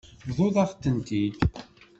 Bḍut-aɣ-tent-id.